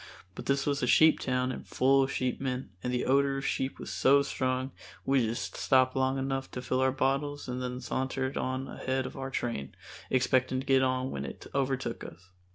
But this was a sheep town and full of sheepmen and the odor of sheep was so strong we just stopped long enough to fill our bottles and then sauntered on ahead of our train, expecting to get on when it overtook us.